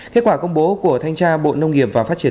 kết quả công bố của thanh tra bộ nông nghiệp và phát triển